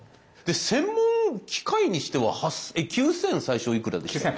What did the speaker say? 専門機械にしては９，０００最初いくらでした？